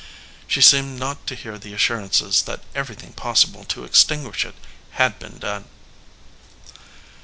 She seemed not to hear the assurances that everything possible to extinguish it had been done.